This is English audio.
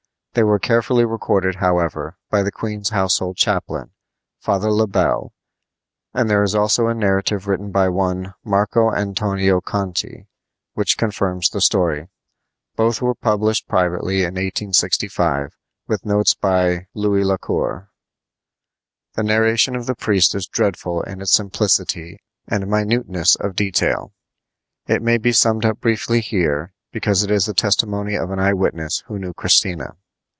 They were carefully recorded, however, by the queen's household chaplain, Father Le Bel; and there is also a narrative written by one Marco Antonio Conti, which confirms the story. Both were published privately in 1865, with notes by Louis Lacour. The narration of the priest is dreadful in its simplicity and minuteness of detail. It may be summed up briefly here, because it is the testimony of an eye witness who knew Christina.